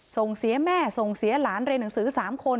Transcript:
ส่งเสียแม่ส่งเสียหลานเรียนหนังสือ๓คน